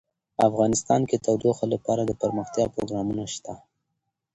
افغانستان کې د تودوخه لپاره دپرمختیا پروګرامونه شته.